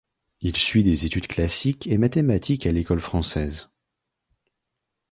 Il suit des études classiques et mathématiques à l'École française.